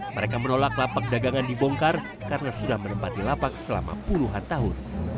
mereka menolak lapak dagangan dibongkar karena sudah menempati lapak selama puluhan tahun